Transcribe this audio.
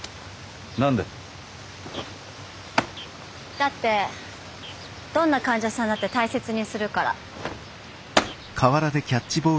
だってどんな患者さんだって大切にするから。